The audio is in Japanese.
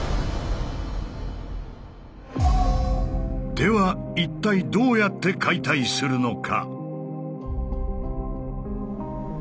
では一体どうやって解体するのか？